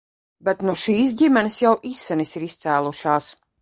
Bet nu šīs ģimenes jau izsenis ir izcēlušās.